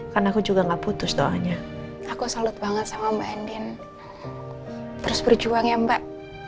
karena aku juga enggak putus doanya aku salut banget sama mbak andien terus berjuang ya mbak